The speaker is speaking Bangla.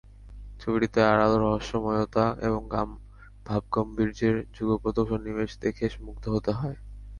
ছবিটিতে আড়াল, রহস্যময়তা এবং ভাবগাম্ভীর্যের যুগপৎ সন্নিবেশ দেখে মুগ্ধ হতে হয়।